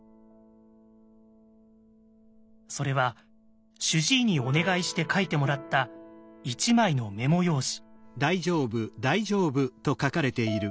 それは主治医にお願いして書いてもらった一枚のメモ用紙。